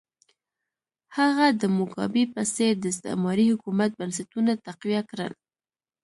هغه د موګابي په څېر د استعماري حکومت بنسټونه تقویه کړل.